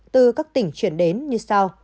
từ các tỉnh chuyển đến như sau